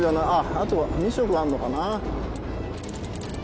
あとは２色あるのかな？